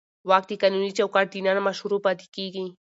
واک د قانوني چوکاټ دننه مشروع پاتې کېږي.